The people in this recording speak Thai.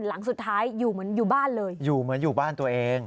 หลังสุดท้ายอยู่เหมือนอยู่บ้านเลยอยู่เหมือนอยู่บ้านตัวเอง